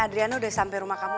adriano udah sampai rumah kamu